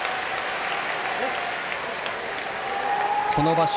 この場所